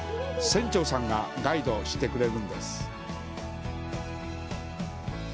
船長さんがガイドしてくれるんです。